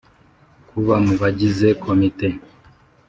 Kuba mu bagize komite